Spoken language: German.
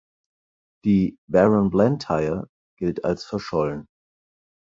Die "Baron Blantyre" gilt als verschollen.